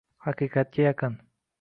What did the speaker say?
Haqiqatga yaqin